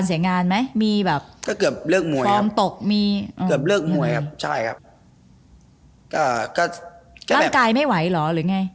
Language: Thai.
ร่างกายไม่ไหวหรือไง